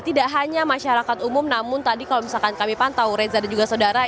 tidak hanya masyarakat umum namun tadi kalau misalkan kami pantau reza dan juga saudara